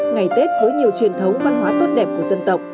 ngày tết với nhiều truyền thống văn hóa tốt đẹp của dân tộc